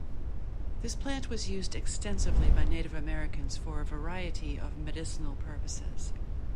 This plant was used extensively by Native Americans for a variety of medicinal purposes.